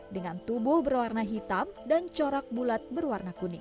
dengan tubuh berwarna hitam dan corak bulat berwarna kuning